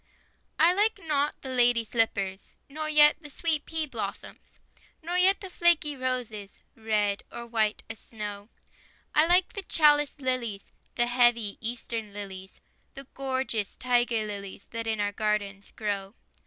I like not lady slippers, Nor yet the sweet pea blossoms, Nor yet the flaky roses, Red, or white as snow; I like the chaliced lilies, The heavy Eastern lilies, The gorgeous tiger lilies, That in our gardens grow.